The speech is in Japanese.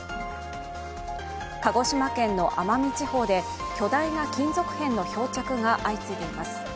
鹿児島県の奄美地方で巨大な金属片の漂着が相次いでいます。